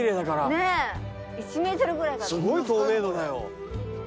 すごい透明度だよ。